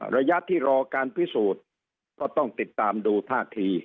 ระยะที่รอการพิสูจน์ก็ต้องติดตามดูท่าที